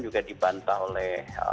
juga dibantah oleh